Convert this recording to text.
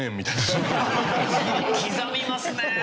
刻みますね！